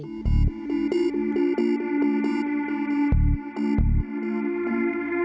สวัสดีครับ